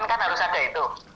kan harus ada itu